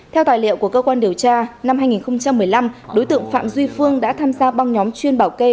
theo tài liệu của cơ quan điều tra năm hai nghìn một mươi năm đối tượng phạm duy phương đã tham gia băng nhóm chuyên bảo kê